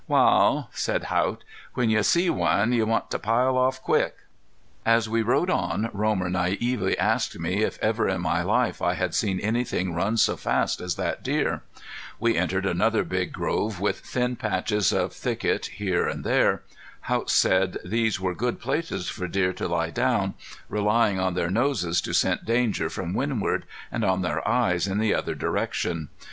"Wal," said Haught, "when you see one you want to pile off quick." As we rode on Romer naively asked me if ever in my life I had seen anything run so fast as that deer. We entered another big grove with thin patches of thicket here and there. Haught said these were good places for deer to lie down, relying on their noses to scent danger from windward, and on their eyes in the other direction.